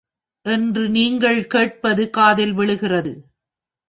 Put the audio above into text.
என்று நீங்கள் கேட்பது காதில் விழுகிறது.